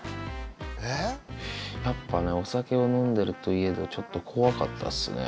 やっぱねお酒を飲んでるといえど怖かったっすね